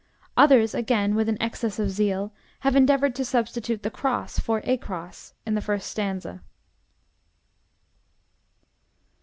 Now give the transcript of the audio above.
Others, again, with an excess of zeal, have endeavored to substitute "the Cross" for "a cross" in the first stanza.